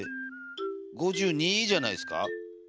５２じゃないですか。